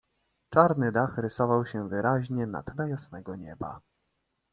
"Czarny dach rysował się wyraźnie na tle jasnego nieba."